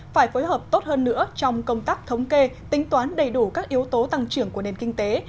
phải phối hợp tốt hơn nữa trong công tác thống kê tính toán đầy đủ các yếu tố tăng trưởng của nền kinh tế